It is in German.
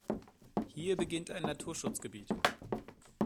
Hier beginnt ein Naturschutzgebiet.